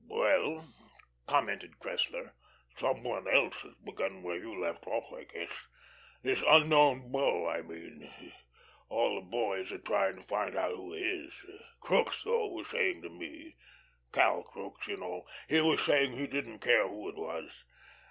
"Well," commented Cressler, "some one else has begun where you left off, I guess. This Unknown Bull, I mean. All the boys are trying to find out who he is. Crookes, though, was saying to me Cal Crookes, you know he was saying he didn't care who he was.